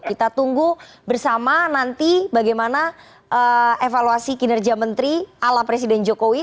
kita tunggu bersama nanti bagaimana evaluasi kinerja menteri ala presiden jokowi